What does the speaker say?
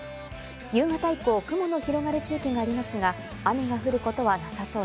夕方以降、雲の広がる地域がありますが、雨が降ることはなさそう